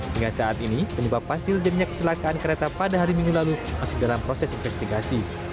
hingga saat ini penyebab pasti terjadinya kecelakaan kereta pada hari minggu lalu masih dalam proses investigasi